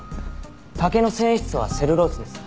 竹の繊維質はセルロースです。